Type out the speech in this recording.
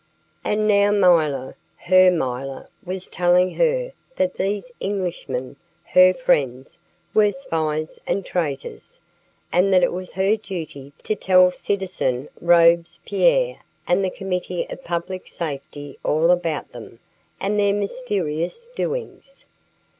And now milor her milor was telling her that these Englishmen, her friends, were spies and traitors, and that it was her duty to tell citizen Robespierre and the Committee of Public Safety all about them and their mysterious doings.